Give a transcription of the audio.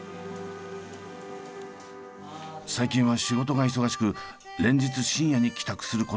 最近は仕事が忙しく連日深夜に帰宅することが多いお父さん。